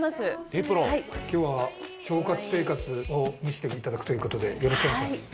「エプロン」今日は腸活生活を見せて頂くという事でよろしくお願いします。